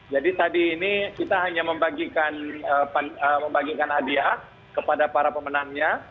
jadi tadi ini kita hanya membagikan hadiah kepada para pemenangnya